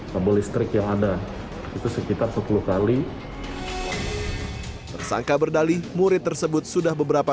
kabel listrik yang ada itu sekitar sepuluh kali tersangka berdalih murid tersebut sudah beberapa